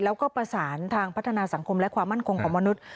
แล้วก็ประสานทางพัฒนาสังคมและความมั่นคงของมนุษย์